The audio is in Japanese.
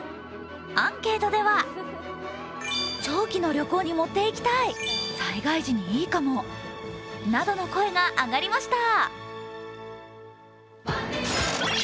アンケートではなどの声が上がりました。